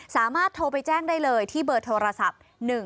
สามารถโทรไปแจ้งได้เลยที่เบอร์โทรศัพท์